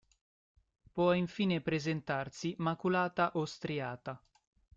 Può infine presentarsi maculata o striata.